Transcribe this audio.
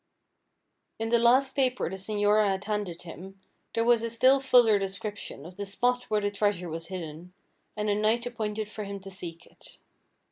In the last paper the señora had handed him, there was a still fuller description of the spot where the treasure was hidden, and a night appointed for him to seek it.